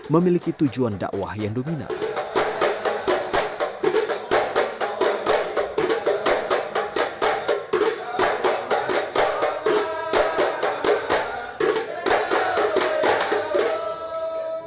memiliki tujuan dakwah yang dominan